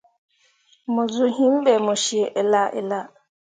Mo zuu yim be mo cii ella ella.